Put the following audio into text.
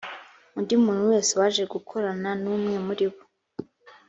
undi muntu wese waje gukorana n’umwe muri bo